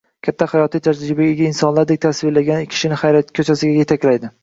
katta hayotiy tajribaga ega insonlardek tasvirlangani kishini hayrat ko‘chasiga yetaklaydi.